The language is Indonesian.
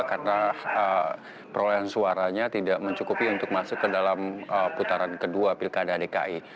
karena perolehan suaranya tidak mencukupi untuk masuk ke dalam putaran kedua pilkada dki